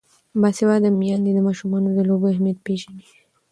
باسواده میندې د ماشومانو د لوبو اهمیت پېژني.